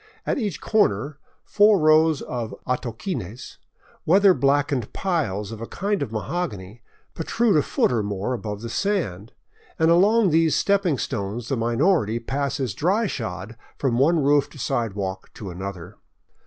At each corner four rows of atoquines, weather blackened piles of a kind of mahogany, protrude a foot or more above the sand; and along these stepping stones the minority passes dry shod from one roofed sidewalk to another.